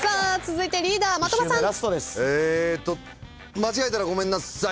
間違えたらごめんなさい。